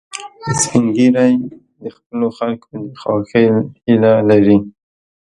سپین ږیری د خپلو خلکو د خوښۍ هیله لري